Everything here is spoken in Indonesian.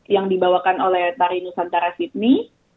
yang dibawakan oleh tari nusantara sydney